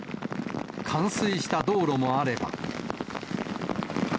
冠水した道路もあれば。